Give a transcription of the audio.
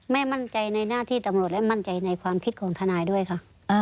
มั่นใจในหน้าที่ตำรวจและมั่นใจในความคิดของทนายด้วยค่ะ